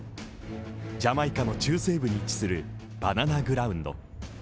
ジャマイカの中西部に位置するバナナ・グラウンド。